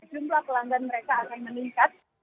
jumlah pelanggan mereka akan meningkat